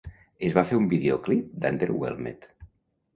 Es va fer un vídeo-clip d'"Underwhelmed".